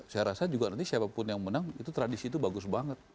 saya rasa juga nanti siapapun yang menang itu tradisi itu bagus banget